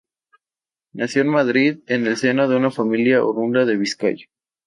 Nació en Madrid, en el seno de una familia oriunda de Vizcaya.